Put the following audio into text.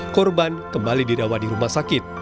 korban kembali dirawat di rumah sakit